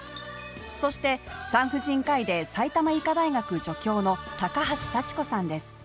そして、産婦人科医で埼玉医科大学助教の高橋幸子さんです